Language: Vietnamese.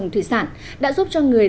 một mươi một năm tiêu chí